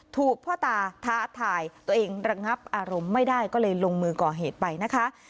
ถูกพ่อตาท้าทายตัวเองระงับอารมณ์ไม่ได้ก็เลยลงมือก่อเหตุไปนะคะ